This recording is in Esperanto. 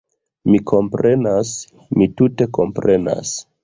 Mi komprenas... mi tute komprenas